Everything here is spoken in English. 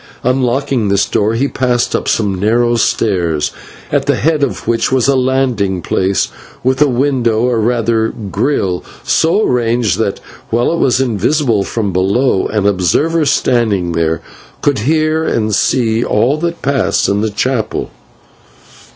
Unlocking this door, they passed up some narrow stairs, at the head of which was a landing place with a window, or rather /grille/, so arranged that, while it was invisible from below, an observer standing there could hear and see all that passed in the chapel.